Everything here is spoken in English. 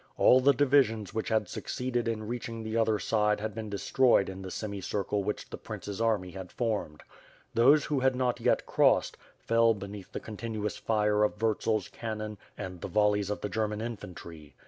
All the divisions which had succeeded in reaching the other side had been destroyed in the semicircle which the Prince's army had formed. Those who had not yet crossed, fell beneath the continuous fire of Vurtzel's cannon and the volleys of the German infantry.